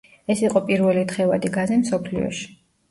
ეს იყო პირველი თხევადი გაზი მსოფლიოში.